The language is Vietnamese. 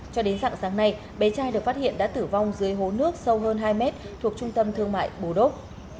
cho đến dạng sáng nay bé trai được phát hiện đã tử vong dưới hố nước sâu hơn hai mét thuộc trung tâm thương mại bù đốt